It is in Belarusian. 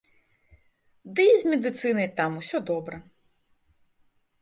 Ды і з медыцынай там усё добра.